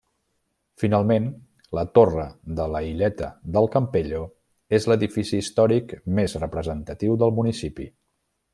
Finalment, la torre de la Illeta del Campello és l'edifici històric més representatiu del municipi.